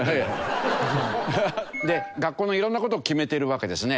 学校の色んな事を決めてるわけですね。